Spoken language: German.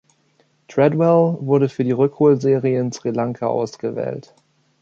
Tredwell wurde für die Rückholserie in Sri Lanka ausgewählt.